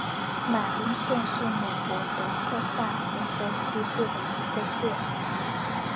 马丁县是美国德克萨斯州西部的一个县。